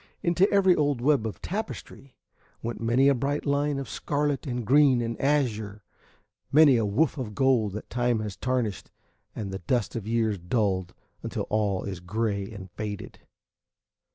Into every old web of tapestry went many a bright line of scarlet and green and azure, many a woof of gold that time has tarnished and the dust of years dulled until all is gray and faded.